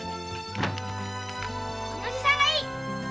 おじさんがいい‼